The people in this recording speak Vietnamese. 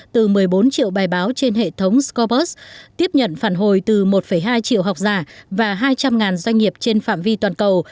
từ một mươi bốn triệu bài báo trên hệ thống scopus tiếp nhận phản hồi từ một hai triệu học giả và hai trăm linh doanh nghiệp trên phạm vi toàn cầu